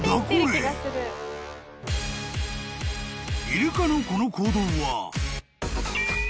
［イルカのこの行動は］